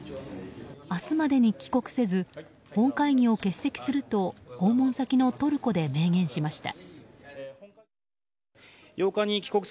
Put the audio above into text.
明日までに帰国せず本会議を欠席すると訪問先のトルコで明言しました。